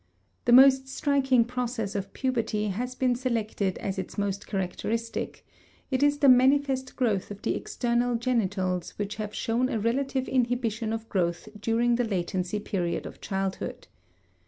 The most striking process of puberty has been selected as its most characteristic; it is the manifest growth of the external genitals which have shown a relative inhibition of growth during the latency period of childhood.